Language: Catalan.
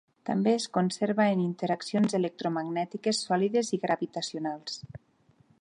També es conserva en interaccions electromagnètiques, sòlides i gravitacionals.